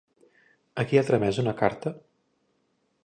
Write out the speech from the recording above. A qui ha tramès una carta?